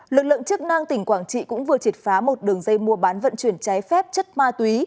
lực lượng chức năng tỉnh quảng trị cũng vừa triệt phá một đường dây mua bán vận chuyển trái phép chất ma túy